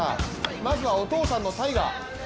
まずはお父さんのタイガー。